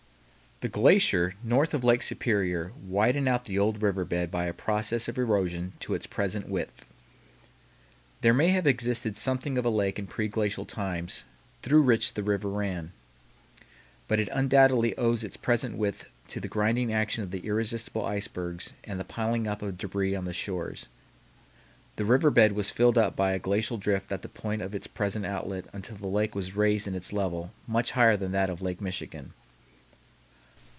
The glacier north of Lake Superior widened out the old river bed by a process of erosion to its present width. There may have existed something of a lake in preglacial times, through which the river ran, but it undoubtedly owes its present width to the grinding action of the irresistible icebergs and the piling up of débris on the shores. The river bed was filled up by a glacial drift at the point of its present outlet until the lake was raised in its level much higher than that of Lake Michigan.